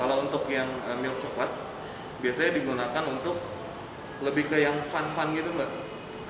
kalau untuk yang milk coklat biasanya digunakan untuk lebih ke yang fun fun gitu mbak